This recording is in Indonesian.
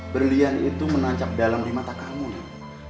berdiam itu menancap dalam di mata kamu nek